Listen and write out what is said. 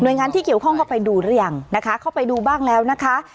โดยงานที่เกี่ยวข้องเข้าไปดูหรือยังนะคะเข้าไปดูบ้างแล้วนะคะ